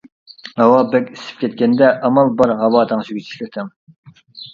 ھاۋا بەك ئىسسىپ كەتكەندە ئامال بار ھاۋا تەڭشىگۈچ ئىشلىتىڭ.